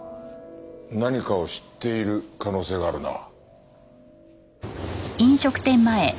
何かを知っている可能性があるな。